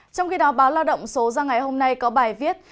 trong khi đó báo lao động số ra ngày hôm nay có bài viết